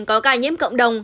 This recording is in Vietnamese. có ca nhiễm cộng đồng